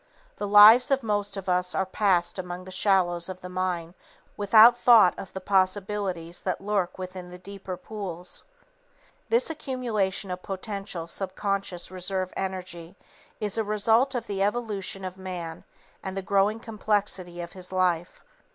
The lives of most of us are passed among the shallows of the mind without thought of the possibilities that lurk within the deeper pools. [Sidenote: How the Mind Accumulates Energy] This accumulation of potential subconscious reserve energy is a result of the evolution of man and the growing complexity of his life.